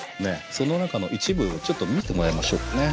その中の一部をちょっと見てもらいましょうかね。